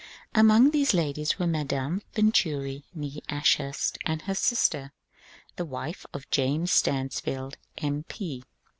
Among these ladies were Madame Venturi (nSe Ashurst) and her sister, the wife of James Stansfeld, M. P.